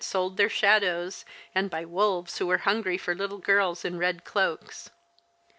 sold their shadows, and by wolves who were hungry for little girls in red cdoaks.